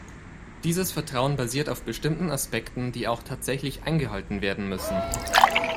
Dieses Vertrauen basiert auf bestimmten Aspekten, die auch tatsächlich eingehalten werden müssen.